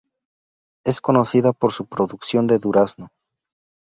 Es conocida por su producción de durazno.